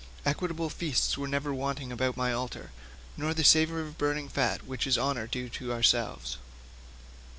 Equitable feasts were never wanting about my altar, nor the savour of burning fat, which is honour due to ourselves."